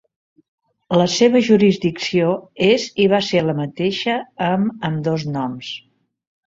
La seva jurisdicció és i va ser la mateixa amb ambdós noms.